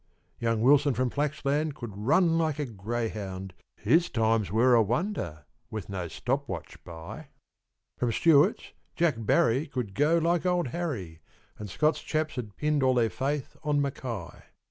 Young Wilson from Flaxland could run like a greyhound, His times were a wonder with no stopwatch by; From Stewart's, Jack Barry could go like "Old Harry," And Scott's chaps had pinned all their faith on Mackay.